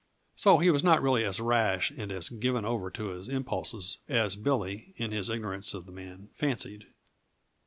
So he was not really as rash and as given over to his impulses as Billy, in his ignorance of the man, fancied.